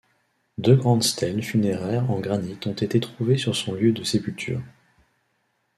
Deux grandes stèles funéraires en granit ont été trouvées sur son lieu de sépulture.